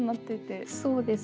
そうです。